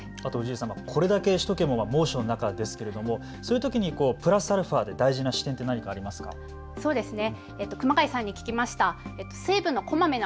これだけ首都圏は猛暑の中ですけどそういうときにプラスアルファで大事な視点って何かありますか。